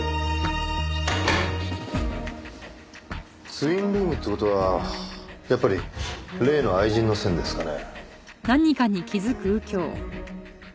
ツインルームって事はやっぱり例の愛人の線ですかね？